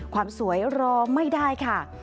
ความสวยรอไม่ได้ค่ะ